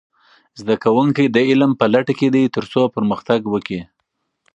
زده کوونکي د علم په لټه کې دي ترڅو پرمختګ وکړي.